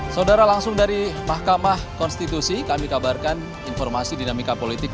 saudara langsung dari mahkamah konstitusi kami kabarkan informasi dinamika politik